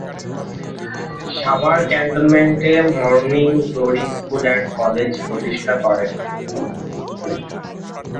সাভার ক্যান্টনমেন্টে 'morning glory school and college' প্রতিষ্ঠা করেন।